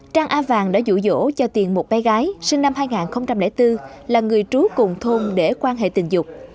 trang a vàng đã dụ dỗ cho tiền một bé gái sinh năm hai nghìn bốn là người trú cùng thôn để quan hệ tình dục